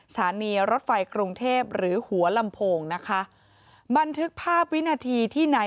สถานีรถไฟกรุงเทพหรือหัวลำโพงนะคะบันทึกภาพวินาทีที่นาย